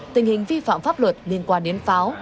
tình hình vi phạm pháp luật liên quan đến pháo